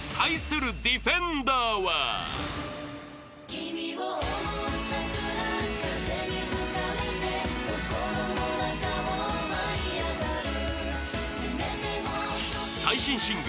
「君を想う桜風に吹かれて」「心の中を舞い上がる」